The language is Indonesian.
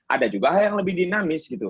ada juga hal yang lebih dinamis gitu